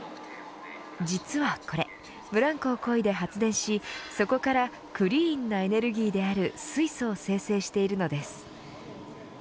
実はこれブランコをこいで発電しそこからクリーンなエネルギーである水素を生成しているのです。